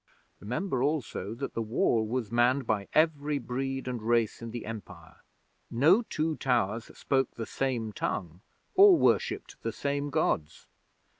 Remember, also, that the Wall was manned by every breed and race in the Empire. No two towers spoke the same tongue, or worshipped the same Gods.